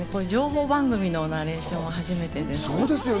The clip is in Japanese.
情報番組のナレーションは初めてです。